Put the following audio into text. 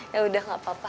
yaudah gak apa apa